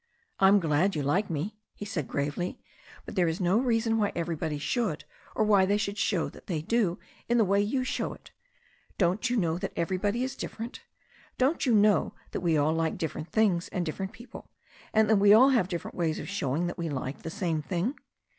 "I'm glad you like me," he said gravely. "But that is no reason why everybody should, or why they should show that they do in the way you show it. Don't you know that everybody is different? Don't you know that we all like different things and different people, and that we all have different ways of showing that we like the same thing?